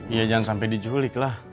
ya jangan sampai diculik lah